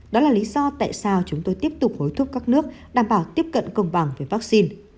đó là lý do tại sao chúng tôi tiếp tục hối thúc các nước đảm bảo tiếp cận công bằng về vaccine